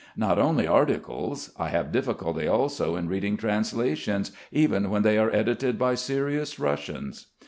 Not only articles; I have difficulty also in reading translations even when they are edited by serious Russians.